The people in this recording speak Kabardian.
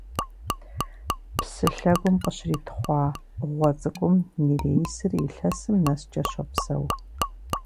Псы лъэгум къыщритхъуа гъуэ цӀыкӀум нереисыр илъэсым нэскӀэ щопсэу.